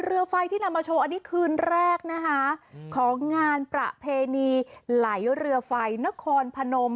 เรือไฟที่นำมาโชว์อันนี้คืนแรกนะคะของงานประเพณีไหลเรือไฟนครพนม